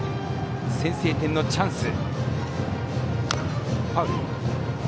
先制点のチャンス。